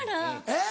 えっ？